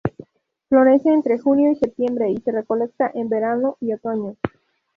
Florece entre junio y septiembre y se recolecta en verano y otoño.